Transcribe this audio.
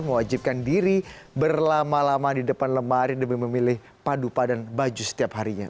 mewajibkan diri berlama lama di depan lemari demi memilih padu padan baju setiap harinya